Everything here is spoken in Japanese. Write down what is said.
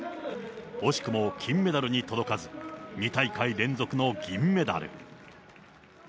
惜しくも金メダルに届かず、２大会連続の銀メダル。